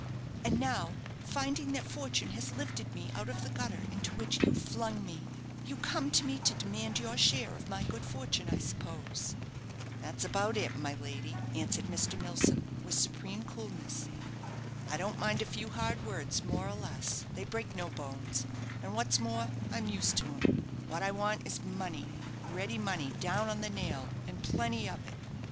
And now, finding that fortune has lifted me out of the gutter into which you flung me, you come to me to demand your share of my good fortune, I suppose?" "That's about it, my lady," answered Mr. Milsom, with supreme coolness. "I don't mind a few hard words, more or less they break no bones; and, what's more, I'm used to 'em. What I want is money, ready money, down on the nail, and plenty of it.